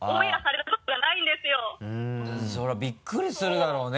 それはびっくりするだろうね。